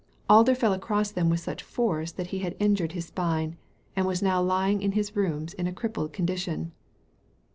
Alder fell across them with such force that he had injured his spine, and now was lying in his rooms in a crippled condition.